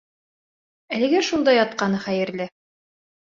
Әлегә шунда ятҡаны хәйерле.